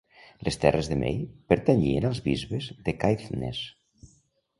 Les terres de Mey pertanyien als bisbes de Caithness.